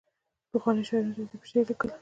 پخوانیو شاعرانو ریاضي په شعر لیکله.